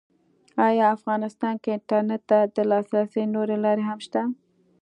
ایا افغانستان کې انټرنېټ ته د لاسرسي نورې لارې هم شته؟